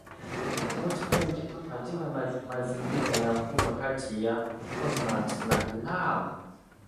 sauti "h" katika mazingira ya kuwa kati ya konsonanti na irabu